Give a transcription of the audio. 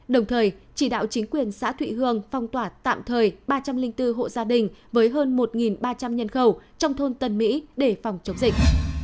đồng thời chỉ đạo chính quyền xã thụy hương phong tỏa tạm thời ba trăm linh bốn hộ gia đình với hơn một ba trăm linh nhân khẩu trong thôn tân mỹ để phòng chống dịch